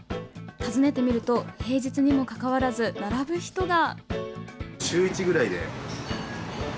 訪ねてみると平日にもかかわらず並ぶ人が。